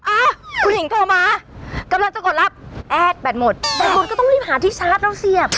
อ่ะคุณหญิงโทรมากำลังจะกดรับแอดแบตหมดแบตบุญก็ต้องรีบหาที่ชาร์จแล้วเสียบ